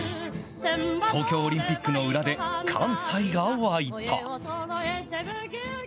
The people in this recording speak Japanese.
東京オリンピックの裏で関西が沸いた。